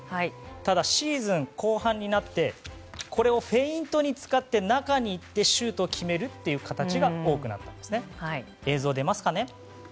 ただシーズン後半になってこれをフェイントに使って中に行ってシュートを決めるという形が多くなっていますね。